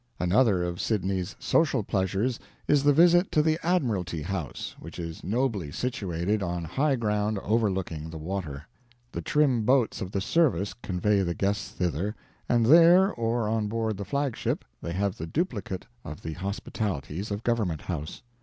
Another of Sydney's social pleasures is the visit to the Admiralty House; which is nobly situated on high ground overlooking the water. The trim boats of the service convey the guests thither; and there, or on board the flag ship, they have the duplicate of the hospitalities of Government House.